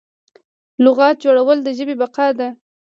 لغت جوړول د ژبې بقا ده.